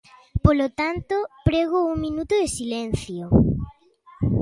Polo tanto, prego un minuto de silencio.